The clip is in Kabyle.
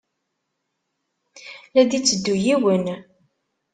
La d-itteddu yiwen.